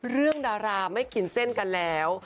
ดาราไม่กินเส้นกันแล้ว